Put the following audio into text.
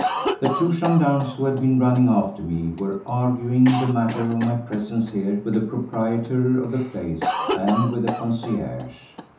The two gendarmes who had been running after me were arguing the matter of my presence here with the proprietor of the place and with the concierge.